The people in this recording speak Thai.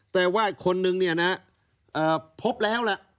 แต่ว่าอีกคนนึงเนี่ยนะพบแล้วล่ะ